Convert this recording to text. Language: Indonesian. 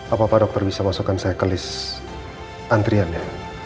apa apa dokter bisa masukkan saya ke list antriannya